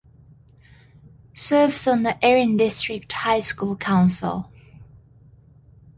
Serves on the Erin District high school council.